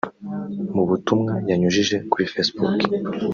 Mu butumwa yanyujije kuri Facebook